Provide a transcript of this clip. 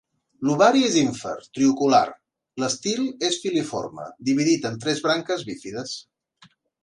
L'ovari és ínfer, trilocular, l'estil és filiforme, dividit en tres branques bífides.